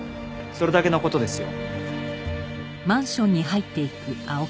それだけの事ですよ。